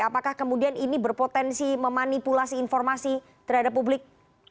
apakah kemudian ini berpotensi memanipulasi informasi tersebut